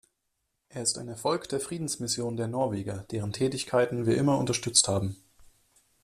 Er ist ein Erfolg der Friedensmission der Norweger, deren Tätigkeiten wir immer unterstützt haben.